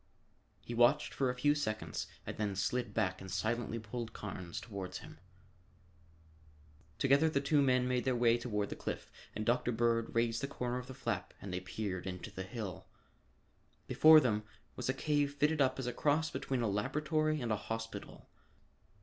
He watched for a few seconds and then slid back and silently pulled Carnes toward him. Together the two men made their way toward the cliff and Dr. Bird raised the corner of the flap and they peered into the hill. Before them was a cave fitted up as a cross between a laboratory and a hospital.